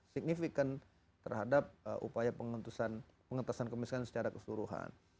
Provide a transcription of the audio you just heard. signifikan terhadap upaya penghentusan penghentusan kemiskan secara keseluruhan